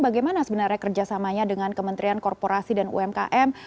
bagaimana sebenarnya kerjasamanya dengan kementerian korporasi dan umkm